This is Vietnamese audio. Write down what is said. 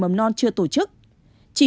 trẻ mầm non chưa tổ chức